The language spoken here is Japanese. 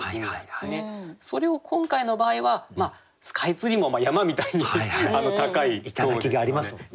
それを今回の場合はスカイツリーも山みたいに高い塔ですので。